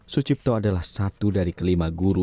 sucipto adalah satu dari kelima guru